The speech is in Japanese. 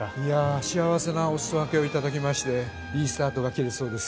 幸せなおすそ分けを頂きましていいスタートが切れそうです。